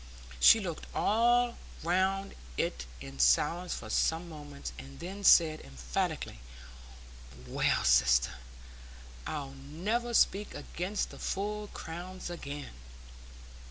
She looked all round it in silence for some moments, and then said emphatically, "Well, sister, I'll never speak against the full crowns again!"